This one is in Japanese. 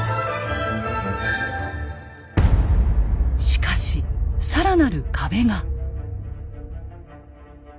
しかし更なる壁が。